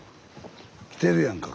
来てるやんか。